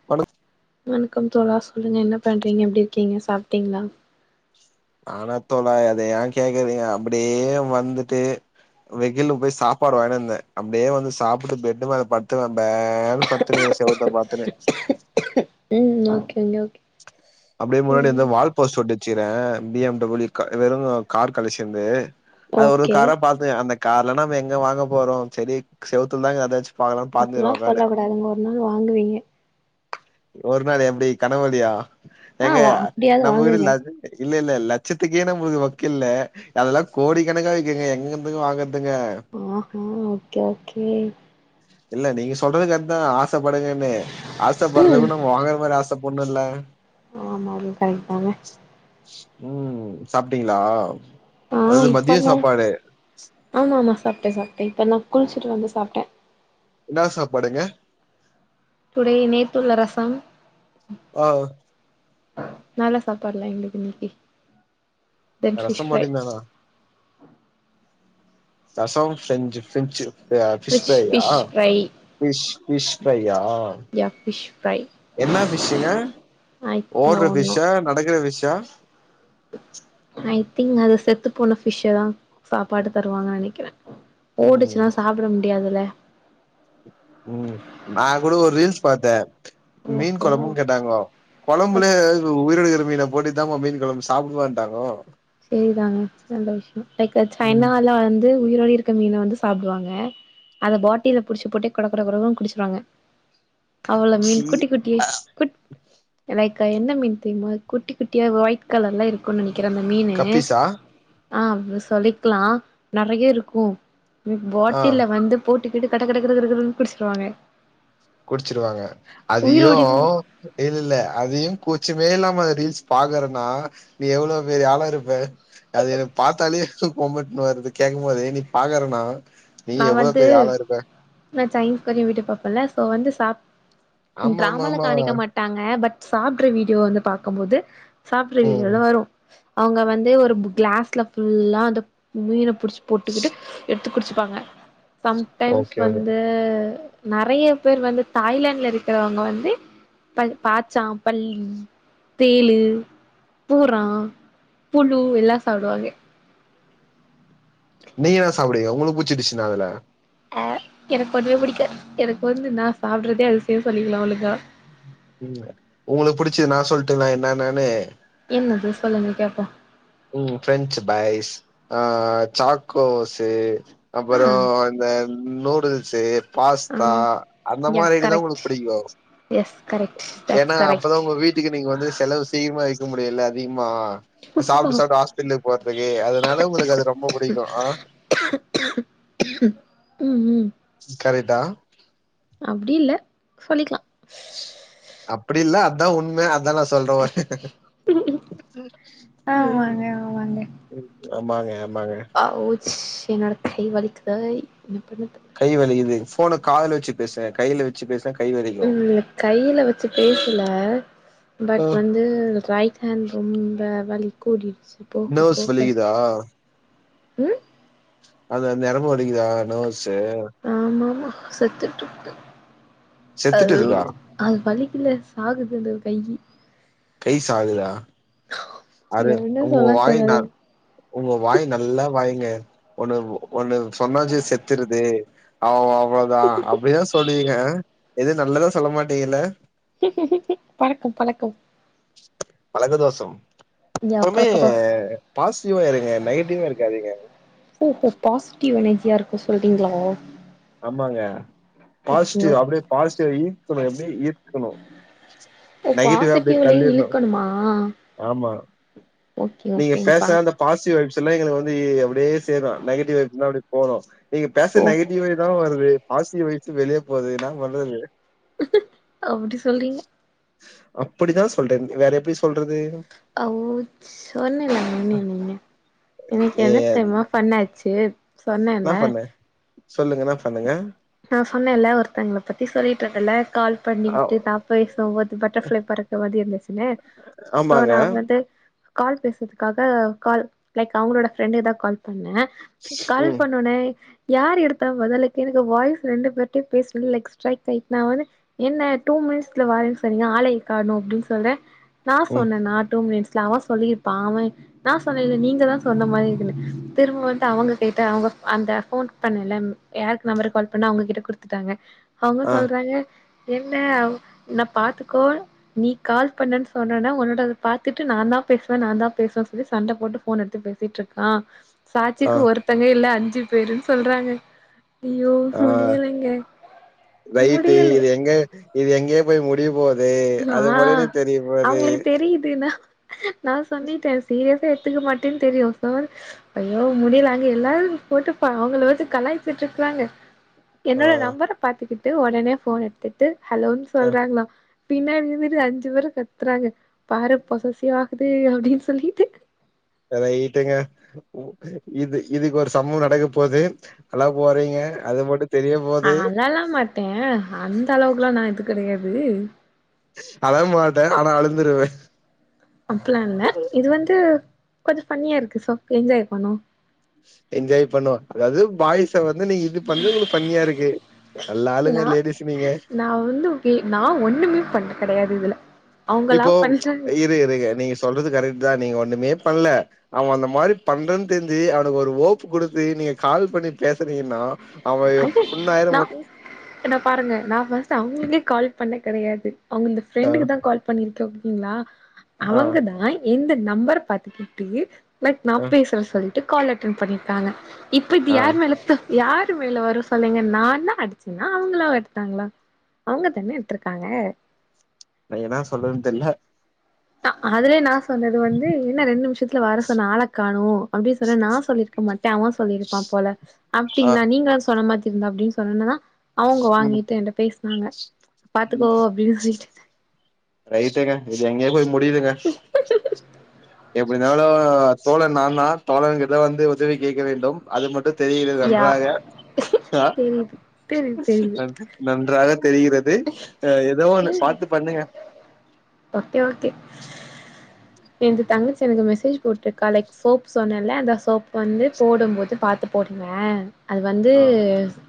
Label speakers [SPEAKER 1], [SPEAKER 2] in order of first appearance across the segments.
[SPEAKER 1] [unintelligible]
[SPEAKER 2] வணக்கம் தோழா சொல்லுங்க என்ன பண்றீங்க எப்டி இருக்கீங்க சாப்டீங்ளா
[SPEAKER 1] ஆனா தோழா அத ஏ கேக்குறீங்க அப்டியே வந்துட்டு வெகில போய் சாப்பாடு வாங்ட்டு வந்தே அப்டியே வந்து சாப்ட்டு பெட்டுமேல பட்த்துருந்தே பேன்னு பட்த்ருந்தே செவுத்த பாத்துனு
[SPEAKER 2] உம் ஓகேங்க ஓகே
[SPEAKER 1] அப்டியே முன்னாடி இந்த
[SPEAKER 2] ம்
[SPEAKER 1] வாழ் போஸ்ட் ஒட்டு வச்சுருக்கே பி எம் டபில்யு க்கா [unintelligible] வெறு கார் கலைக்ஷனு அது ஒரு
[SPEAKER 2] ஓகே
[SPEAKER 1] காரா பா அந்த கார்லா நம்ம எங்க வாங்க போறோ செரி செவ்த்ல தா ஏதாச்சு
[SPEAKER 2] அப்டிலா சொல்லக் கூடாது நீங்க ஒரு நாள் வாங்குவீங்க
[SPEAKER 1] ஒரு நாள் எப்டி கனவுழயா
[SPEAKER 2] ஆ
[SPEAKER 1] ஏங்க
[SPEAKER 2] வா அப்டியாவது
[SPEAKER 1] நம்ம வீடு
[SPEAKER 2] வாங்குங்க
[SPEAKER 1] இல்ல இல்ல இல்ல லட்சத்துக்கே நமக்கு வக்குல்ல அதெல்லா கோடிக்கணக்கா இருக்குங்க எங்கங்க போய் வாங்கறதுக்கு
[SPEAKER 2] ஆஹ் [unintelligible] ஓகே ஓகே
[SPEAKER 1] இல்ல நீங்க சொல்றது கரெக்ட்தா ஆசப்படுங்கன்னு
[SPEAKER 2] ம்
[SPEAKER 1] ஆசப்படுறதுக்கு நம்ம வாங்குற மாரி ஆச ஆசப்படனுல்ல
[SPEAKER 2] ஆமா அது கரெக்ட் தாங்க
[SPEAKER 1] உம் சாப்டீங்ளா
[SPEAKER 2] ஆ இப்பதாங் ஆமா ஆமா சாப்டே சாப்டே இப்பந்தா குளிச்சுட்டு வந்து சாப்டே
[SPEAKER 1] என்னா சாப்பாடுங்க
[SPEAKER 2] டுடே நேத்துள்ள ரசம்
[SPEAKER 1] ஆ
[SPEAKER 2] நல்லா சாப்பாடுலா எங்களுக்கு இன்னைக்கி
[SPEAKER 1] ரசம் மட்டிந்தா ரசம் செஞ்சு [unintelligible] ஃபிஷ் ஃப்ரையா ஃபிஷ் ஃபிஷ் ஃப்ரையா
[SPEAKER 2] யாஃபிஷ் ஃப்ரை
[SPEAKER 1] என்ன ஃபிஷ்ங்க
[SPEAKER 2] ஐ நோ
[SPEAKER 1] ஓடுற
[SPEAKER 2] நோ
[SPEAKER 1] ஃபிஷ்ஷா நடக்குற ஃபிஷ்ஷா
[SPEAKER 2] ஐ திங்க் அந்த செத்து போன ஃபிஷ்ஷதா சாப்பாடு தருவாங்கனு நெனைக்கிறே
[SPEAKER 1] ம்
[SPEAKER 2] ஓடுச்சுன்னா சாப்ட முடியாதுல
[SPEAKER 1] உம் நா கூட ஒரு ரீல்ஸ் பாத்தே மீன்
[SPEAKER 2] ஓஹோ
[SPEAKER 1] கொழம்புனு கேட்டாங்கோ கொழம்புல எதாது உயிரோட இருக்ற மீன போட்டு இதா பா மீன் குழம்பு சாப்டு பான்டாங்கோ
[SPEAKER 2] சேரிதாங்க நல்ல விஷயோ லைக்
[SPEAKER 1] ம்
[SPEAKER 2] சைனால வந்து உயிரோட இரு மீனை வந்து சாப்டுவாங்க அதை பாட்டில புடிச்சு போட்டு கொட கொட கொடனு குடிச்சுருவாங்க அவ்ளோ மீன்
[SPEAKER 1] சீ
[SPEAKER 2] குட்டி குட்டி குட் லைக் என்ன மீன் தெரியுமா குட்டி குட்டியா வயிட் கலர்ல இருக்குன்னு நனக்கிறே அந்த மீன் னு
[SPEAKER 1] கப்பீஸா
[SPEAKER 2] ஆ அப்ப சொல்லிக்லா நறையா இருக்கு
[SPEAKER 1] ஆ
[SPEAKER 2] பாட்டில்ல வந்து போட்டுக்கிட்டு கட கட கட கட கடற்ன்னு குடுச்சிருவாங்க
[SPEAKER 1] குடுச்சிருவாங்க அதியு இல்ல இல்ல அதியு கூச்சமே இல்லாம ரீல்ஸ் பாக்கறன்னா நீ எவ்ளோ பெரிய ஆளா இருப்பே அது எனக்கு பாத்தாலே கொமட்னு வருது கேக்குபோதே நீ பாக்கறன்னா
[SPEAKER 2] நா வந்து நா சைன் கொரயு வீடீயூப் பாப்பேல சோ வந்து சாப் ம்
[SPEAKER 1] ஆமா ஆமா
[SPEAKER 2] ட்ராமால
[SPEAKER 1] ஆமா
[SPEAKER 2] காணிக்க மாட் ட்டாங்க பட் சாப்ட்ற வீடியோ வந்து பாக்கும்போது சாப்ட்ற
[SPEAKER 1] ம்
[SPEAKER 2] வீடியோல வரு அவங்க வந்து ஒரு பு க்ளாஸ்ல ஃபுல்லா அந்த மீன புடுச்சு போட்டுக்கிட்டு எடுத்து குடிச்சிப்பாங்க சம்டைம்ஸ்
[SPEAKER 1] ஓகே ஓகே
[SPEAKER 2] வந்து நறையா பேர் வந்து தாய்லாண்ட்ல இருக்குறவங்க வந்து ப பாட்ச்சா பல்லி தேளு பூர்ரா புழு எல்லா சாப்புடுவாங்க
[SPEAKER 1] நீங்க என்ன சாப்புடுவீங்க உங்களு புட்ச்ச டிஸ் என்ன அதுல
[SPEAKER 2] ஆ எனக்கு ஒன்னுமே புடிக்காத் எனக்கு வந்து நா சாப்ட்றதே அதிசயொ சொல்லிக்கலா அவ்ளோதா
[SPEAKER 1] ம் உங்களுக்கு புடுச்சு நா சொல்லட்டுங்ளா என்னென்னென்னு
[SPEAKER 2] என்னது சொல்லுங்க கேப்போ
[SPEAKER 1] ம் ஃப்ரெஞ்சு ஃப்ரைஸ் ஆ சாக்கோசு
[SPEAKER 2] ஆ
[SPEAKER 1] அப்பறோ இந்த நூடுல்ஸ்ஸு
[SPEAKER 2] ஆ
[SPEAKER 1] பாஸ்தா அந்த
[SPEAKER 2] யா
[SPEAKER 1] மாரி இதுதா
[SPEAKER 2] கரெக்ட்
[SPEAKER 1] உங்களுக்கு புடிக்கு
[SPEAKER 2] எஸ் கரெட் தட்ஸ் கரக்ட்
[SPEAKER 1] இதுக்கு நீங்க வந்து செலவு சீக்கமா ஐஸ்ட்டு முடியு இல்ல அதிக்மா
[SPEAKER 2] ஓ
[SPEAKER 1] சாப்ட்டு சாப்ட்டு ஹாஸ் பிட்டலுக்கு போறதுக்கு அதனால உங்களுக்கு அது ரொம்ப புடிக்கு ஆ
[SPEAKER 2] ம் ம்
[SPEAKER 1] கரெட்டா
[SPEAKER 2] அப்டி இல்ல சொல்லிக்லா
[SPEAKER 1] அப்டி இல்ல அதா உண்ம அதா நா சொல்றவர்க் ம்
[SPEAKER 2] ஆமாங்க
[SPEAKER 1] ம் ஆமாங்க ஆமாங்க
[SPEAKER 2] ஔவ்ஸ் என்னோட கை வலிக்குதொய் என்ன பண்ண
[SPEAKER 1] கை வலிக்குது ஃபோன காதுல வெச்சு பேசு கைல்ல வெ வெச்சு பேசுனா கை வலி
[SPEAKER 2] ம் கைல்ல வெச்சு பேசல
[SPEAKER 1] ஆ
[SPEAKER 2] பட் வந்து ரைட் ஹாண்ட் ரொம்ப வலி கூடிடுச்சு போக
[SPEAKER 1] நர்வ்ஸ்
[SPEAKER 2] போக
[SPEAKER 1] வலிக்குதா
[SPEAKER 2] ம்
[SPEAKER 1] அது நெரம்பு வலிக்கிதா நேவ்ஸ்ஸு
[SPEAKER 2] ஆமா ஆமா செத்துட்டு இருக்கு
[SPEAKER 1] செத்துட்டு இருக்கா
[SPEAKER 2] அது வலிக்கில சாகுது அந்த கையி
[SPEAKER 1] கை சாகுதா அறு
[SPEAKER 2] என்ன
[SPEAKER 1] உங்க
[SPEAKER 2] சொல்ல
[SPEAKER 1] வாயி நா
[SPEAKER 2] தெரியாது
[SPEAKER 1] உங்க வாய் நல்லா வாயுங்க ஒன்னு ஒன்னு சொன்னாச்சு செத்துருது அவ் அவ் அவ்ளோதா அப்டியே சொல்லுவீங்க எது நல்லதா சொல்ல மாட்டீங்கில்ல
[SPEAKER 2] பணக்கம் பழக்கம்
[SPEAKER 1] பழக்க தோசோ
[SPEAKER 2] யா
[SPEAKER 1] எப்பவுமே
[SPEAKER 2] பழக்கதோ
[SPEAKER 1] பாசிட்டிவா இருங்க நெகட்டிவ்வா இருக்காதீங்க
[SPEAKER 2] ஓஹோ பாசிட்டிவ் எனர்ஜியா இருக்கு சொல்றீங்களா
[SPEAKER 1] ஆமாங்க
[SPEAKER 2] ஓகேங்க
[SPEAKER 1] பாசிட்டிவ் அப்டியே பாசிட்டிவ் ஈர்க்கணு எப்டி ஈர்க்கணு
[SPEAKER 2] ஓ
[SPEAKER 1] நெகட்டிவ் அப்டே
[SPEAKER 2] பாசிட்டிவ்லயே
[SPEAKER 1] தள்ளிடணு
[SPEAKER 2] இழுக்கணுமா
[SPEAKER 1] ஆமா
[SPEAKER 2] ஓகே
[SPEAKER 1] நீங்க பேச
[SPEAKER 2] ஓகேங்கப்பா
[SPEAKER 1] அந்த பாசிவ் வைப்ஸ் எங்களுக்கு வந்து அப்படியேணும் சேரும் நெகிடிவ் போனும் நீங்க பேச
[SPEAKER 2] ஓ
[SPEAKER 1] நெக டிவ் வை தா வருது பாசிடிவ் வயசு வெளியே போகுது என்னா பண்றது
[SPEAKER 2] அப்படி சொல்றீங்க
[SPEAKER 1] அப்படிதா சொல்றேன் வேற எப்டி சொல்றது
[SPEAKER 2] அவ் சொன்னேல மின்னே மின்னே இன்னைக்கு என்ன தெர்ம ஃபன் ஆச்சு
[SPEAKER 1] இன்ன பண்ண சொல்லுங்க இன்ன பண்ணங்க
[SPEAKER 2] நா சொன்னலா ஒருத்தவங்கள பத்தி சொல்லிட்டுருந்தல கால்
[SPEAKER 1] ஆ
[SPEAKER 2] பண்ணிட்டு த பேசும்போது பட்டர்ஃப்ளை பறக்குற மாதி இருந்துச்சுன்னுசோ
[SPEAKER 1] ஆமாங்க
[SPEAKER 2] நா வந்து கால் பேசுறதுக்காக கால் லைக் அவங்களோட ஃப்ரெண்டுக்குதா கால் பண்ணே கால்
[SPEAKER 1] ம்
[SPEAKER 2] பண்னோனே யார் எடுத்தா மொதலா கேளுங்க வாய்ஸ் ரெண்டு பேர்ட்டையும் பேசுறது லைக் ஸ்ட்ரைட் நா வந்து என்ன டூ மினிட்ஸ்ல வரேன்னு சொன்னிங்க ஆளையே காணோ அப்டின்னு சொல்ற நா
[SPEAKER 1] ம்
[SPEAKER 2] சொன்னேன டூ மினிட்ஸ் அவ சொல்லியிருப்பா அவ நான் சொன்னால நீங்கதா சொன்ன மாரி இருக்குனு திரும்ப வந்து அவங்க கேட்டு அவங்க அந்த போன் பண்ணல யாருக்கு நம்பர் கால் பண்ணா அவங்ககிட்ட குடுத்துட்டாங்க அவங்க
[SPEAKER 1] ஆ
[SPEAKER 2] சொல்றாங்க என்ன உன்ன பாத்துக்கோ நீ கால் பண்ணன்னு சொன்னனே உன்னோடத பாத்துட்டு நா தா பேசுவ நா தா பேசுவ சொல்லி சண்ட போட்டு போன் எடுத்து பேசு த்திட்டு இருக்கான்
[SPEAKER 1] ஆ
[SPEAKER 2] சாட்சிக்கு ஒருத்தங்க இல்ல அஞ்சு பேருன்னு சொல்றாங்க ஐயோ
[SPEAKER 1] ஆ
[SPEAKER 2] முடியலங்க
[SPEAKER 1] ரைட்டு
[SPEAKER 2] முடியல
[SPEAKER 1] இது எங்க இது எங்கேயோ போய் முடிய போது அது
[SPEAKER 2] ஆ
[SPEAKER 1] மட்டு எனக்கு தெரிய போது
[SPEAKER 2] அவங்களுக்கு தெரியுதுன்னா நா சொன்னிட்டே சீரியஸா எடுத்துக்க மாட்டேன்னு தெரியு சோ ஐயோ முடியல அங்க எல்லாரு போட்டு பா அவங்கள வந்து கலாய்சிட்டு இருக்குறாங்க
[SPEAKER 1] ஆ
[SPEAKER 2] என்னோட நம்பர பாத்துக்கிட்டு உடனே போன் எடுத்துட்டு ஹலோன்னு
[SPEAKER 1] ஆ
[SPEAKER 2] சொல்றாங்களா பின்னாடி இருந்துட்டு அஞ்சு பேரும் கத்துறாங்க பாரு பொசசிவ் ஆகுது அப்டின்னு சொல்லிட்டு
[SPEAKER 1] ரைட்டுங்க இது இதுக்கு ஒரு சம்பவம் நடக்க போது அழ போறீங்க அது மட்டு தெரிய போது
[SPEAKER 2] அழல்லா மாட்ட அந்த அளவுக்குல்லா நா இது கிடையாது
[SPEAKER 1] அழ மாட்ட ஆனா அழுந்துருவே
[SPEAKER 2] அப்ல்லா இல்ல இது வந்து கொஞ்ச ஃபன்னியா இருக்கு சோ என்ஜாய் பண்ணுவோ
[SPEAKER 1] என்ஜாய் பண்ணுவோ அதாவது பாய்ஸ் வந்து நீங்க இது பண்ணறது உங்களுக்கு ஃபன்னியா இருக்கு நல்லா ஆளுங்க
[SPEAKER 2] நா
[SPEAKER 1] லேடிஸ் நீங்க
[SPEAKER 2] நா வந்து கே நா ஒண்ணுமே பண்ண கெடையாது இதுல அவங்களா
[SPEAKER 1] இப்போ
[SPEAKER 2] பண்றாங்க
[SPEAKER 1] இரு இரு நீங்க சொல்றது கரெக்ட் தா நீங்க ஒண்ணுமே பண்ல அவன் அந்த மாரி பண்றன்னு தெரிஞ்சு அவனுக்கு ஒரு ஹோப்பு குடுத்து நீங்க கால் பண்ணி பேசுறீங்கன்னா அவன் எப் புண் ஆயிர மட்டு
[SPEAKER 2] இத பாருங்க நா பஸ்ட் அவங்களுக்கே கால் பண்ண கெடையாது அவங் அவங்கள்து
[SPEAKER 1] ஆ
[SPEAKER 2] ஃப்ரெண்டுக்கு தா கால் பண்ணிருக்கே ஓகேங்களா
[SPEAKER 1] ஆ
[SPEAKER 2] அவங்கதா என்து நம்பர பாத்துகிட்டு லைக் நா
[SPEAKER 1] ஆ
[SPEAKER 2] பேசுற சொல்லிட்டு கால் அட்டண்ட் பண்ணிருக்காங்க இப்ப இது
[SPEAKER 1] ஆ
[SPEAKER 2] யார் மேல யார் மேல வரும் சொல்லீங்க நா தா அடிச்சுன்னா அவங்களா எடுத்தாங்களா அவங்க தான எடுத்திருக்காங்க
[SPEAKER 1] நா ஏனா சொல்லறது தெர்ல
[SPEAKER 2] அதுவே நா சொன்னது வந்து என்ன ரெண்டு நிமிஷத்துல வர சொன்ன ஆள காணு அப்டின்னு சொன்னா நா சொல்லிருக் இருக்க மாட்டே அவ சொல்லியிருப்பா போல
[SPEAKER 1] ஆ
[SPEAKER 2] அப்டிங்ளா நீங்களாது சொல்ல மாட்டீங்களா அப்டின் சொன்னணனா அவங்க
[SPEAKER 1] ம்
[SPEAKER 2] வாங்கிட்டு என்ட பேஸ்னாங்க
[SPEAKER 1] ம்
[SPEAKER 2] பாத்துக்கோ அப்டின் சொல்லிட்டு
[SPEAKER 1] ரைட்டுங்க இது எங்கேயோ போய் முடிதுங்க எப்டிந்தாலு தோழன் நாந்தா தோழன் கிட்டவந்து உதவி கேட்க வேண்டும் அது மட்டு தெரிகிறது
[SPEAKER 2] யா
[SPEAKER 1] நன்றாக ஆ
[SPEAKER 2] தெரியுது தெரியுது தெரியுது
[SPEAKER 1] நன்றாக தெரிகிறது அ ஏதோ ஒன்னு பாத்து பண்ணுங்க
[SPEAKER 2] ஓகே ஓகே என்து தங்கிச்சு எனக்கு மெசேஜ் போட்டிருக்கா லைக் சோப் சொன்னேல அந்த சோப் வந்து போடும் போது பாத்து போடுங்க அது வந்து
[SPEAKER 1] ஆ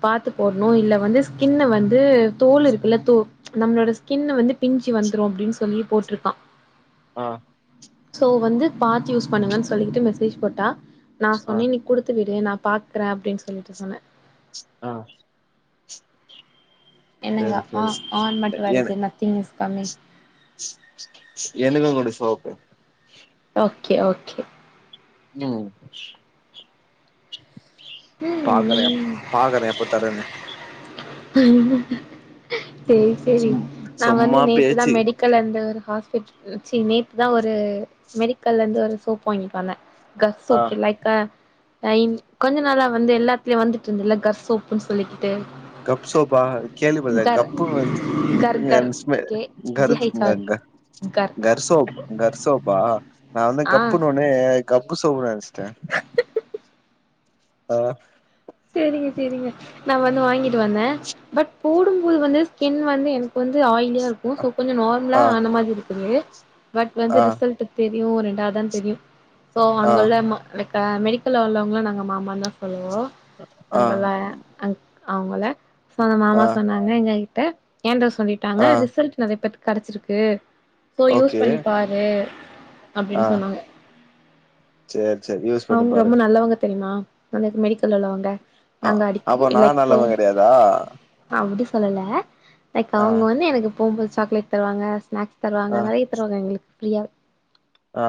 [SPEAKER 2] பாத்து போட்ணு இல்ல வந்து ஸ்கின்ன வந்து தோல் இருக்குல்ல தோ நம்ளோட ஸ்கின்னு வந்து பிஞ்சு வந்துரு அப்டின் சொல்லி போட்ருக்கா
[SPEAKER 1] ஆ
[SPEAKER 2] சோ வந்து பாத்து யூஸ் பண்ணுங்கன் சொல்லிட்டு மெசேஜ் போட்டா நா
[SPEAKER 1] ஆ
[SPEAKER 2] சொன்னே நீ குடுத்துவிடு நா பாத்கற அப்டின் சொல்லிட்டு சொன்னே
[SPEAKER 1] ஆ
[SPEAKER 2] என்னங்க
[SPEAKER 1] சேரி
[SPEAKER 2] ஆ
[SPEAKER 1] சேரி
[SPEAKER 2] ஆன் மட்டு
[SPEAKER 1] எ
[SPEAKER 2] வருது நத்திங் இஸ் கம்மிங்
[SPEAKER 1] எனக்கு குடு சோப்பு
[SPEAKER 2] ஓக்கே ஓக்கே
[SPEAKER 1] உம் பாக்கறே பாக்கறே எப்ப தரேன்னு
[SPEAKER 2] சேரி சேரி
[SPEAKER 1] சும்
[SPEAKER 2] நா வந்து
[SPEAKER 1] சும்மா
[SPEAKER 2] நேத்துதா
[SPEAKER 1] பேச்சு
[SPEAKER 2] மெடிக் கலர்ந்து ஒரு ஹாஸ்பிட்டல் சி நேத்து தா ஒரு மெடிக்கல்ல இருந்து ஒரு சோப் வாங்கிட் வந்தே கர்
[SPEAKER 1] ஆ
[SPEAKER 2] சோப்பு லைக் க [unintelligible] கொஞ்ச நாளா வந்து எல்லாத்துலயு வந்துட்ருந்துல்ல கர் சோப்புன் சொல்லிக்கிட்டு
[SPEAKER 1] கப் சோபா கேள்விப்பட்டதில்ல
[SPEAKER 2] கர்
[SPEAKER 1] கப்புன் வந்துச்
[SPEAKER 2] கர் கர் கே ஜி ஹச் ஆர்
[SPEAKER 1] [unintelligible]
[SPEAKER 2] கர்
[SPEAKER 1] கர்சோப் கர்சோப்பா நா வந்து
[SPEAKER 2] ஆ
[SPEAKER 1] கப்புன் வ னே கப்பு சோப்பு நெனச்சுட்டே ஆ
[SPEAKER 2] சேரிங்க சேரிங்க நா வந்து வாங்கிட்டு வந்தே பட் போடும் போது வந்து ஸ்கின் வந்து எனக்கு வந்து ஆயிலியா தா ருக்கு சோ கொஞ்ச நார்மலா
[SPEAKER 1] ஆ
[SPEAKER 2] ஆன மாத்ரி இருக்குது பட்
[SPEAKER 1] ஆ
[SPEAKER 2] வந்து ரிசல்ட்டு தெரியு ரெண்டாவது தா தெரியு சோ
[SPEAKER 1] ஆ
[SPEAKER 2] அங்வுள்ள மார்க் [unintelligible] மெடிக்கல்ல உள்ளவங்கள நாங்க மாமான் தா சொல்லுவோ
[SPEAKER 1] ஆ
[SPEAKER 2] அங்குல்ல அங் அவுங்கள சொ அந்த
[SPEAKER 1] ஆ
[SPEAKER 2] மாமா சொன்னாங்க எங்க கிட்ட ஏன்டா சொல்லிட்
[SPEAKER 1] ஆ
[SPEAKER 2] டாங்க ரிசல்ட் நெறைய பேத்துக் கெடச்சிருக்கு சோ யூஸ்
[SPEAKER 1] ஓகே
[SPEAKER 2] பண்ணி பாரு அப்டின் சொன்னாங்க
[SPEAKER 1] சேர் சேர் யூஸ் பண்ணி
[SPEAKER 2] அவங்க ரொம்ப
[SPEAKER 1] பாருங்க
[SPEAKER 2] நல்லவங்க தெரிமா அந்த மெடிக்கல்ல உள்ளவங்க
[SPEAKER 1] ஆ
[SPEAKER 2] நாங்க அடிக்க
[SPEAKER 1] அப்போ நா
[SPEAKER 2] இல்ல இப்போ
[SPEAKER 1] நல்லவ கெடையாதா
[SPEAKER 2] அப்டி சொல்லல லைக்
[SPEAKER 1] ஆ
[SPEAKER 2] அவங்க வந்து எனக்கு போம்போது சாக்லேட் தருவாங்க ஸ்நாக்ஸ் தருவாங்க
[SPEAKER 1] ஆ
[SPEAKER 2] நெறைய தருவாங்க எங்களுக் ஃப்ரீயாவே
[SPEAKER 1] ஆ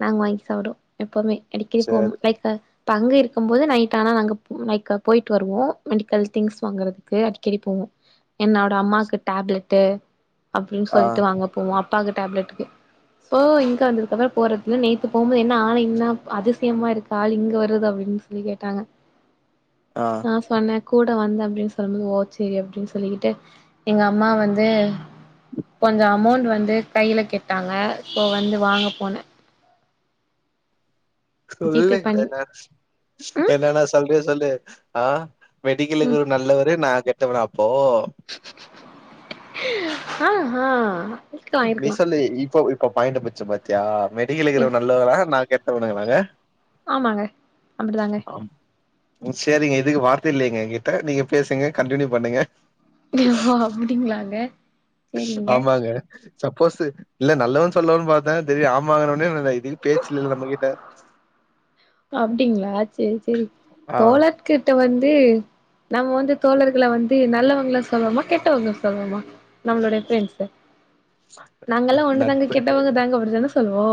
[SPEAKER 2] நாங் வாங்கி சாப்டுவோ எப்பவுமே அடிக்கடி போம்
[SPEAKER 1] சேரி
[SPEAKER 2] லைக் அ தங்கி இருக்கும் போது நைட் ஆனா நா அங்க [unintelligible] போயிட்டு வருவோ மெடிக்கல் திங்ஸ் வாங்கறதுக்கு அடிக்கடி போவோ என்னோட அம்மாக்கு டேப்லெட்டு அப்டின்னு
[SPEAKER 1] ஆ
[SPEAKER 2] சொல்லிட்டு வாங்க போவோ அப்பாக்கு டேப்லெட்டுக்கு இப்போ இங்க வந்ததுக்கு அப்றோ போறது இல்லை நேத்து போம்போது என்ன ஆள் என்ன அதிசயமா இருக்கு ஆள் இங்க வருது அப்படின்னு சொல்லி கேட்டாங்க
[SPEAKER 1] ஆ
[SPEAKER 2] நான் சொன்னே கூட வந்த அப்டின்னு சொல்லும்போது ஓ சரி அப்டின்னு சொல்லிக்கிட்டு எங்க அம்மா வந்து கொஞ்சோ அமௌண்ட் வந்து கையில கேட்டாங்க இப்போ வந்து வாங்க போனே ஜிபே
[SPEAKER 1] சொல்லுங்
[SPEAKER 2] பண்ணி
[SPEAKER 1] எதாச்
[SPEAKER 2] ம்
[SPEAKER 1] என்னென்ன சொல்றியோ சொல்லு ஆ மெடிக்கலுக்கு
[SPEAKER 2] ம்
[SPEAKER 1] இவரு நல்லவரு நா கெட்டவனா அப்போ
[SPEAKER 2] ஆ ஹா
[SPEAKER 1] நீ சொல்லி இப்போ இப்ப பாயிண்ட புச்சோ பாத்தியா
[SPEAKER 2] இரு
[SPEAKER 1] மெடிக்கலக்கிறவ நல்லவனா நா கெட்டவனா இவங்க
[SPEAKER 2] ஆமாங்க அப்டிதாங்க
[SPEAKER 1] சேரிங்க இதுக்கு வார்த்தை இல்லைங்க கிட்டா நீங்க பேசுங்க கண்டினியூ பண்ணுங்க
[SPEAKER 2] ஓ அப்படிங்ளாங்க
[SPEAKER 1] ஆமாங்க சப்போஸ் இல்ல நல்லவன்னு சொல்லுவன்னு பார்த்தே தெரியு ஆமாங்கன்ன உடனே இதா இல் பேச்சில்லல நம்மகிட்ட
[SPEAKER 2] அப்டிங்களா சேரி சேரி தோழா கிட்ட வந்து நம்ம வந்து தோழர்கள வந்து நல்லவங்களா சொல்லாமா கெட்டவங்க சொல்லணுமா நம்மளுோடைய பிரண்ட்ஸ் நாங்கல்லா ஒண்ணு தாங்க
[SPEAKER 1] நட்பு
[SPEAKER 2] கெட்டவங்க தாங்க அப்டித்தான சொல்லுவோ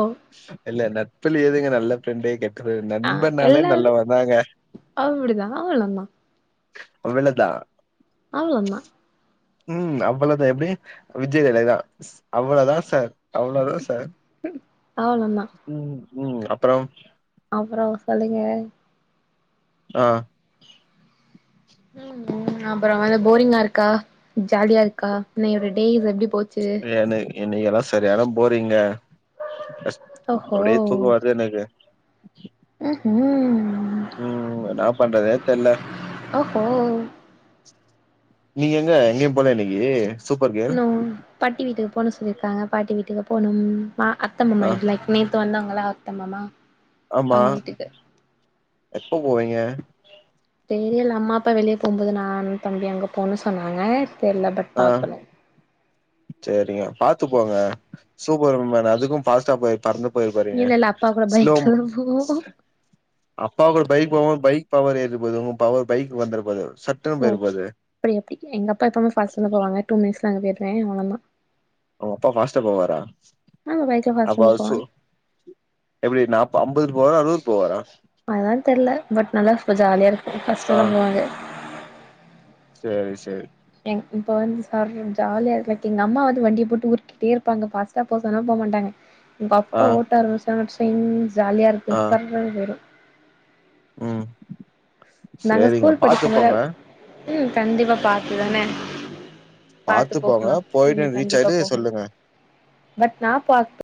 [SPEAKER 1] இல்ல நட்புல ஏதுங்க நல்ல ப்ரெண்டே கெட் ட்ரு
[SPEAKER 2] ஆ
[SPEAKER 1] நண்பனாலே
[SPEAKER 2] எல்லாரு
[SPEAKER 1] நல்லவந்தாங்க
[SPEAKER 2] அப்டிதா அவ்ளோந்தா
[SPEAKER 1] அவளதா
[SPEAKER 2] அவ்ளந்தா
[SPEAKER 1] ம் அவ்ளோதா எப்படிங்க விஜய்லைதா அவ்ளோ தா சார் அவ்ளோ தான் சார்
[SPEAKER 2] அவ்ளோந்தா
[SPEAKER 1] ம் ம் அப்பறோ
[SPEAKER 2] அப்ற சொல்லுங்க
[SPEAKER 1] ஆ
[SPEAKER 2] அப்பறோ வந் போரிங்கா இருக்கா ஜாலியா இருக்கா இன்னை உடய டேஸ் எப்டி போ
[SPEAKER 1] எனக் இன்னைக்கு எல்லா சரியான போரிங்க அப்றோ
[SPEAKER 2] ஓஹோ
[SPEAKER 1] அப்டியே தூக்கம் வருது எனக்கு
[SPEAKER 2] அ ஹு ம்
[SPEAKER 1] ம் என்னா பண்றதுனே தெரில
[SPEAKER 2] ஓஹோ
[SPEAKER 1] நீங்க எங்க எங்கயு போலயா இன்னைக்கு சூப்பர் கேர்ள்
[SPEAKER 2] இன்னு பாட்டி வீட்டுக்கு போணு சொல்லிருக்காங்க பாட்டி வீட்டுக்கு போணும் மா அத்த
[SPEAKER 1] ஆ
[SPEAKER 2] மாமா வீட்ல நேத்து வந்தாங்கல்ல அத்த மாமா
[SPEAKER 1] ஆமா
[SPEAKER 2] அவங்க வீட்டுக்கு
[SPEAKER 1] எப்ப போவீங்க
[SPEAKER 2] தெரியல அம்மா அப்பா வெளியே போகும்போது நானும் தம்பி அங்கே போகுன்னு சொன்னாங்க தெரில பட் பாக்கணு
[SPEAKER 1] சரிங்க பாத்து போங்க சூப்பர்வுமன் அதுக்கு பாஸ்டா போய் பறந்து போயிருப் போறீங்க
[SPEAKER 2] இல்ல இல்ல அப்பா கூட
[SPEAKER 1] ஸ்லோ
[SPEAKER 2] பைக்ல தா போவோ
[SPEAKER 1] அப்பா கூட பைக் போம் போது பைக் பவர் ஏறிற போது உ பவர் பைக் வந்தற போது சட்டனு போயிற போது
[SPEAKER 2] அப்றோ எப்டி எங்கப்பா எப்பமே ஃபாஸ்டா வந்து போவாங்க டூ மினிட்ஸ்ல அங்க போய்டுவே அவ்ளதா
[SPEAKER 1] உங் அப்பா பாஸ்ட்டா போவாரா
[SPEAKER 2] ஆமா பைக்ல
[SPEAKER 1] அப்ப
[SPEAKER 2] ஃபாஸ்ட்டா தா
[SPEAKER 1] அவர் சூ
[SPEAKER 2] போவாங்க
[SPEAKER 1] எப்டி நா ஐம்பதுக் போவாரா அறுவதுக் போவாரா
[SPEAKER 2] அதா தெரில பட் நல்லா ஜாலியா இருக்கு பாஸ்ட்டா
[SPEAKER 1] ஆ
[SPEAKER 2] தா போவாங்க
[SPEAKER 1] சேரி சேரி
[SPEAKER 2] எங் இப்ப வந்து சார் ஜாலியா இருக்க எங்க அம்மா வந்து வண்டியை போட்டு ஊருட்டிக்கிட்டே இருப்பாங்க பாச ட்டா போசோன்னா போ மாட்டாங்க எங்க
[SPEAKER 1] ஆ
[SPEAKER 2] அப்பா ஓட்ட ஆரமுச்சிட்டாங்க ஜொயிங் ஜாலியாக இருக்கு
[SPEAKER 1] ஆ
[SPEAKER 2] சர்ருனு போயிரு
[SPEAKER 1] ம்
[SPEAKER 2] நாங்க
[SPEAKER 1] சேரிங்க
[SPEAKER 2] ஸ்கூல்
[SPEAKER 1] பாத்து
[SPEAKER 2] படிக்கும் போத
[SPEAKER 1] போங்க
[SPEAKER 2] ம் கண்டிப்பா பாத்துதானே பாத்து
[SPEAKER 1] போங்க
[SPEAKER 2] போகலா இனி
[SPEAKER 1] போயிட்டு ரீச்
[SPEAKER 2] கண்டிப்பா
[SPEAKER 1] ஆயிட்டு
[SPEAKER 2] போகணு
[SPEAKER 1] சொல்லுங்க
[SPEAKER 2] பட் நா பாத்